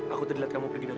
aku terlihat kamu pergi nanti